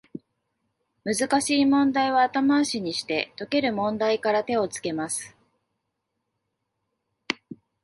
難しい問題は後回しにして、解ける問題から手をつけます